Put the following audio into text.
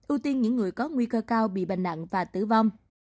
ưu tiên những người có nguy cơ cao bị bệnh nặng và tử vong